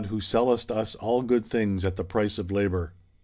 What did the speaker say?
who sellest us all good things at the price of labor.